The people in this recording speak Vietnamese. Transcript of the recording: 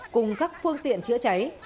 cùng các phương tiện chữa cháy